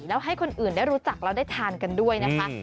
แล้วให้คนอื่นได้รู้จักแล้วได้ทานกันด้วยนะคะ